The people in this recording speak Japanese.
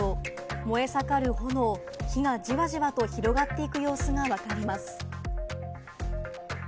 燃え盛る炎、火がじわじわと広がっていく様子がわかります。